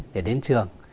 để đến trường